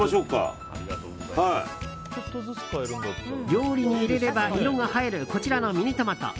料理に入れれば色が映えるこちらのミニトマト。